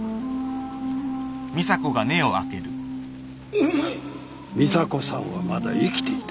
お前美砂子さんはまだ生きていた。